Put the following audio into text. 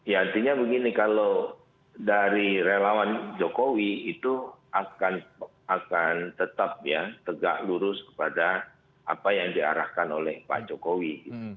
ya artinya begini kalau dari relawan jokowi itu akan tetap ya tegak lurus kepada apa yang diarahkan oleh pak jokowi